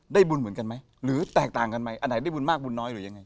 บุญเหมือนกันไหมหรือแตกต่างกันไหมอันไหนได้บุญมากบุญน้อยหรือยังไง